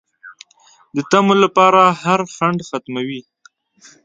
د طمعو لپاره هر خنډ ختموي